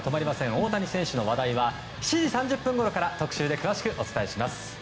大谷選手の話題は７時３０分ごろから特集で詳しくお伝えします。